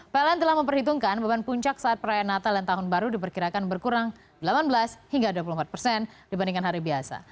pln telah memperhitungkan beban puncak saat perayaan natal dan tahun baru diperkirakan berkurang delapan belas hingga dua puluh empat persen dibandingkan hari biasa